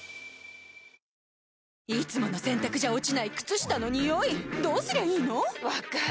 いつもの洗たくじゃ落ちない靴下のニオイどうすりゃいいの⁉分かる。